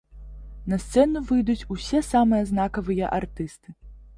На сцэну выйдуць усе самыя знакавыя артысты.